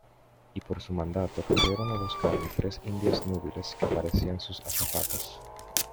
y por su mandato corrieron a buscarme tres indias núbiles que parecían sus azafatas.